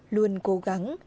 luôn cố gắng